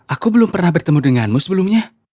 aku belum pernah bertemu denganmu sebelumnya